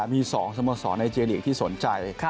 มี๒สมสอบในเจรียร์ลีกที่สนใจ